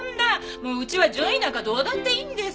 もううちは順位なんかどうだっていいんですよ。